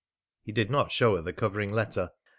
He did not show her the covering letter.